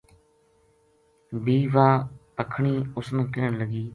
بھی واہ پکھنی اُس نا کہن لگی